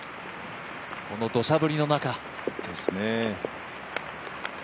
このどしゃ降りの中。